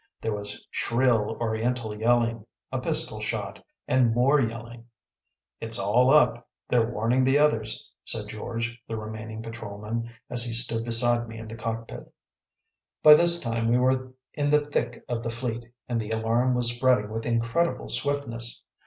There was shrill Oriental yelling, a pistol shot, and more yelling. “It’s all up. They’re warning the others,‚ÄĚ said George, the remaining patrolman, as he stood beside me in the cockpit. By this time we were in the thick of the fleet, and the alarm was spreading with incredible swiftness.